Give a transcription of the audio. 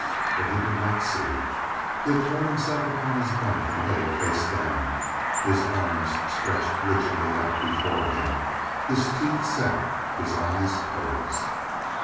But he did not see. He had thrown himself upon his bunk and lay face down, his arms stretched rigidly out before him, his teeth set, his eyes closed.